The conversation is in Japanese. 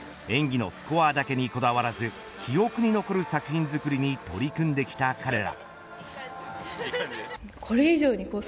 かなだいとしてペアを組むと演技のスコアだけにこだわらず記憶に残る作品づくりに取り組んできた彼ら。